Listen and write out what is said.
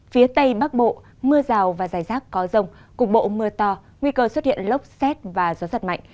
phía tây bắc bộ mưa rào và dài rác có rông cục bộ mưa to nguy cơ xuất hiện lốc xét và gió giật mạnh